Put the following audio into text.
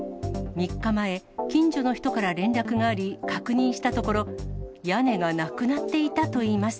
３日前、近所の人から連絡があり、確認したところ、屋根がなくなっていたといいます。